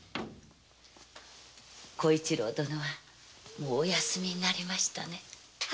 小一郎殿はお休みになりましたね。